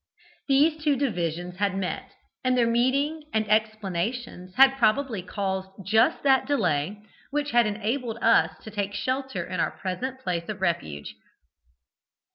These two divisions had met, and their meeting and explanations had probably caused just that delay which had enabled us to take shelter in our present place of refuge.